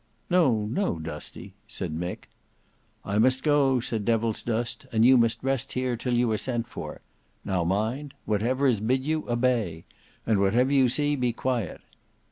"No, no, Dusty," said Mick. "I must go," said Devilsdust; "and you must rest here till you are sent for. Now mind—whatever is bid you, obey; and whatever you see, be quiet.